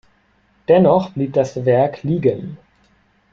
Dennoch blieb das Werk liegen.